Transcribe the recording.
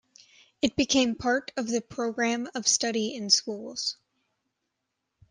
It became part of the program of study in schools.